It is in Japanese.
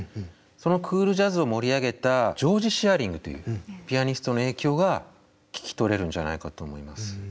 そのクールジャズを盛り上げたジョージ・シアリングというピアニストの影響が聞き取れるんじゃないかと思います。